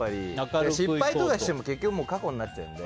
失敗とかしてももう過去になっちゃうので。